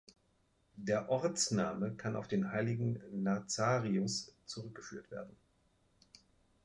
Der Ortsname kann auf den heiligen Nazarius zurückgeführt werden.